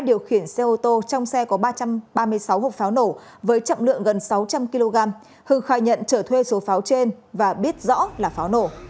điều khiển xe ô tô trong xe có ba trăm ba mươi sáu hộp pháo nổ với chậm lượng gần sáu trăm linh kg hư khai nhận trở thuê số pháo trên và biết rõ là pháo nổ